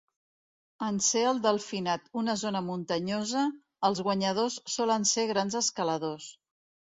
En ser el Delfinat una zona muntanyosa, els guanyadors solen ser grans escaladors.